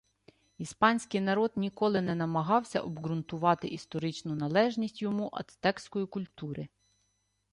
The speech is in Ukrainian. Іспанський народ ніколи не намагався обҐрунтувати історичну належність йому ацтекської культури